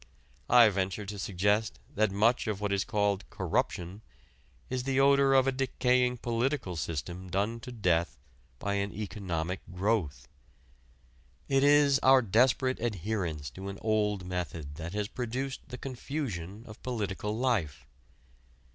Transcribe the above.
I venture to suggest that much of what is called "corruption" is the odor of a decaying political system done to death by an economic growth. It is our desperate adherence to an old method that has produced the confusion of political life.